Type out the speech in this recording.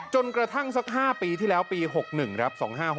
กระทั่งสัก๕ปีที่แล้วปี๖๑ครับ๒๕๖๖